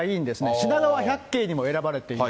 しながわ百景にも選ばれている。